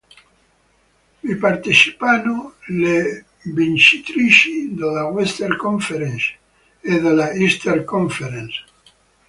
Vi partecipano le vincitrici della Western Conference e della Eastern Conference.